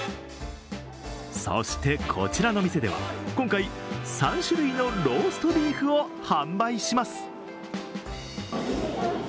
そして、こちらの店では今回、３種類のローストビーフを販売します。